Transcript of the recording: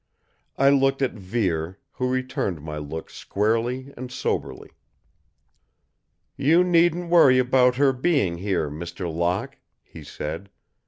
I looked at Vere, who returned my look squarely and soberly. "You needn't worry about her being here, Mr. Locke," he said.